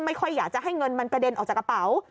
ไม่ค่อยอยากจะให้เงินมันกระเด็นออกจากกระเป๋า